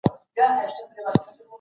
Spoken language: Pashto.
د وطن د عشق په تور به غرغره شي